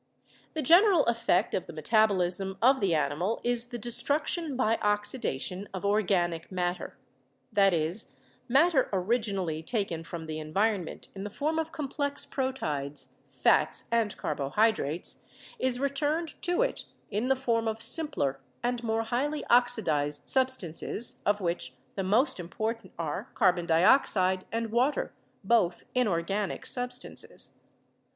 The general effect of the metabolism of the animal is the destruction by oxidation of organic matter; that is, matter originally taken from the environment in the form of complex proteids, fats, and carbohydrates is returned to it in the form of simpler and more highly oxidized substances, of which the most important are carbon dioxide and water (both inorganic substances).